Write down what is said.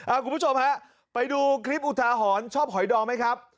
คุณผู้ชมฮะไปดูคลิปอุทาหรณ์ชอบหอยดองไหมครับ